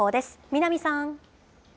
南さん。